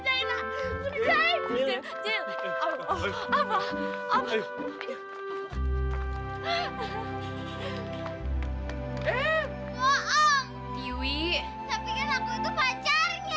saya pingin aku itu pacarnya